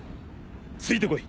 ついてこい。